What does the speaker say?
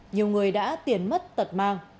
nhiều người đã tiến mất tật mang